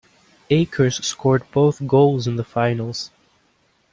Akers scored both goals in the finals.